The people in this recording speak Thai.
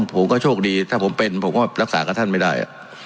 ผมก็โชคดีถ้าผมเป็นผมก็รักษากับท่านไม่ได้